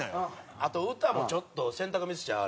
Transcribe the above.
あと歌もちょっと選択ミスちゃう？